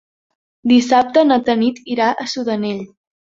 Dissabte na Tanit irà a Sudanell.